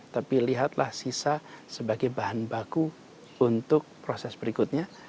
tapi lihatlah sisa sebagai bahan baku untuk proses berikutnya